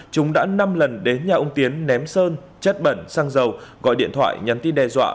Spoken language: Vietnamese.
chúng đã năm lần đến nhà ông tiến ném sơn chất bẩn xăng dầu gọi điện thoại nhắn tin đe dọa